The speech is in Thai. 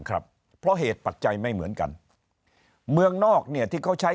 ครับเพราะเหตุปัจจัยไม่เหมือนกันเมืองนอกเนี่ยที่เขาใช้